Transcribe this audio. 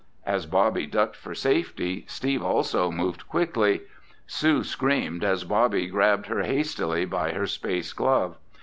As Bobby ducked for safety, Steve also moved quickly. Sue screamed as Bobby grabbed her hastily by her space glove.